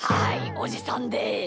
おじさんです！